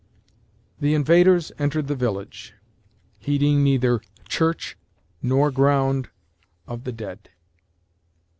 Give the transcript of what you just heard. THE invaders entered the village, heeding neither church nor ground of the dead.